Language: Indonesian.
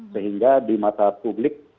sehingga di mata publik